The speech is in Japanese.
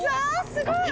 すごい！